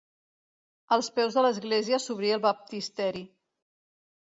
Als peus de l'església s'obrí el baptisteri.